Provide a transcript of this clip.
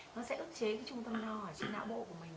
nó sẽ ước chế trung tâm no ở trên não bộ của mình